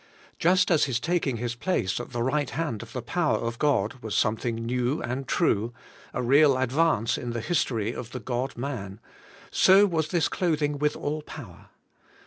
Just as His taking His place at the right hand of the power of God was something new and true, — a real advance in the history of the God man, — so w^as this clothing with all power.